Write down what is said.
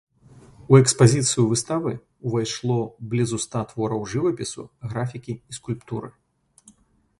У экспазіцыю выставы ўвайшло блізу ста твораў жывапісу, графікі і скульптуры.